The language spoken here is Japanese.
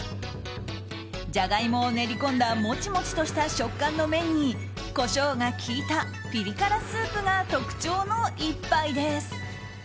ジャガイモを練り込んだモチモチとした食感の麺にコショウが効いたピリ辛スープが特徴の１杯です。